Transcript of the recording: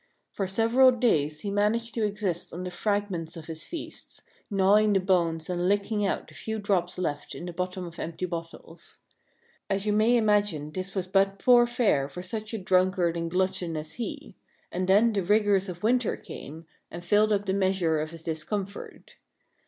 For several days he managed to exist on the fragments of his feasts, gnawing the bones and licking out the few drops left in the bottom of empty bottles. As you may imagine, this was but poor fare for such a drunk ard and glutton as he ; and then the rigors of winter came, and filled up the measure of his discomfort.